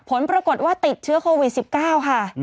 ผลปรากฏว่าติดเชื้อโควิด๑๙ค่ะ